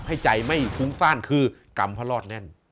ให้ใจไม่ฟุ้งฟ่านคือกรรมพระรอดแน่น